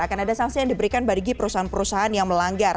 akan ada sanksi yang diberikan bagi perusahaan perusahaan yang melanggar